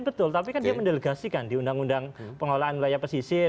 betul tapi kan dia mendelegasikan di undang undang pengolahan wilayah pesisir